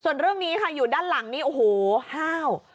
ส่วนเรื่องนี้ค่ะอยู่ด้านหลังนี้โอ้โหห้าว